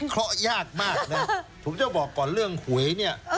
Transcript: คุณวิเคราะห์ยากมากน่ะผมจะบอกก่อนเรื่องหวยเนี้ย